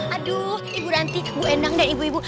aduh ibu rantik bu endang dan ibu ibu